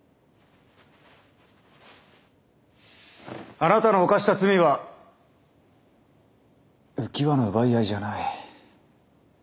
あなたの犯した罪は浮き輪の奪い合いじゃない。